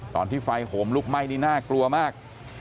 ตอนที่ไฟห่วงลุ้กไหม้นอกลัวมาก